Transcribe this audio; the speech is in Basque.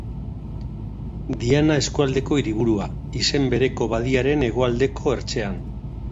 Diana eskualdeko hiriburua, izen bereko badiaren hegoaldeko ertzean.